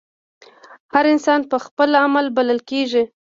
هر انسان پۀ خپل عمل بللے کيږي